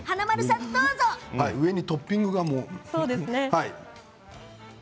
上にトッピングが。